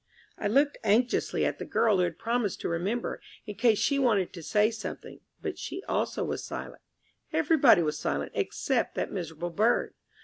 I looked anxiously at the girl who had promised to remember, in case she wanted to say something, but she also was silent. Everybody was silent except that miserable bird.